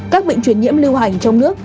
các bệnh chuyển nhiễm lưu hành trong nước